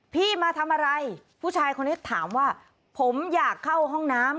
พี่มาทำอะไรผู้ชายคนนี้ถามว่าผมอยากเข้าห้องน้ำ